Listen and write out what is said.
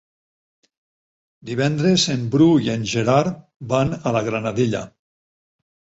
Divendres en Bru i en Gerard van a la Granadella.